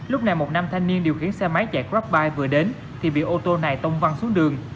lúc này một nam thanh niên điều khiến xe máy chạy grabbike vừa đến thì bị ô tô này tông văng xuống đường